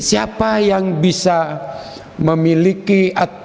siapa yang bisa memiliki